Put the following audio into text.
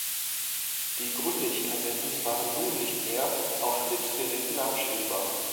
Die Grundig-Kassetten waren nun nicht mehr auf Philips-Geräten abspielbar.